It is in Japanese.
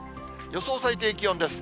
予想最低気温です。